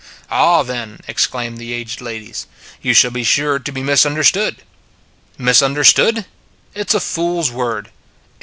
Ah, then, exclaim the aged ladies, you shall be sure to be misunderstood! Misunderstood! It is a fool s word.